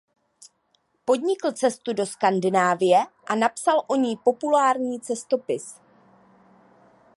Podnikl cestu do Skandinávie a napsal o ní populární cestopis.